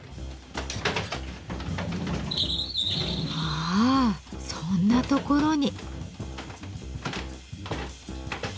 あそんなところに。